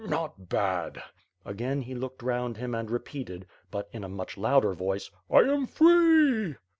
"Not bad!" Again, he looked round him and repeated, but in a much louder voice: "I am free!''